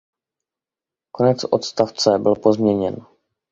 Konec odstavce byl pozměněn.